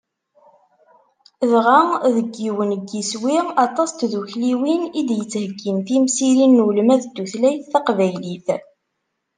Dɣa, deg yiwen n yiswi, aṭas n tdukkliwin i d-yettheyyin timsirin n ulmad n tutlayt taqbaylit.